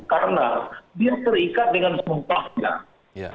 karena dia terikat dengan sumpahnya